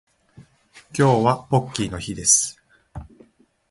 今日はポッキーの日です